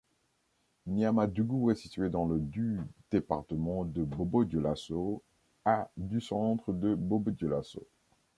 Niamadougou est située dans le du département de Bobo-Dioulasso, à du centre de Bobo-Dioulasso.